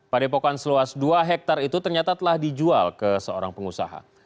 padepokan seluas dua hektare itu ternyata telah dijual ke seorang pengusaha